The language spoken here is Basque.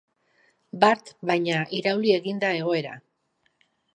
Bart, baina, irauli egin da egoera.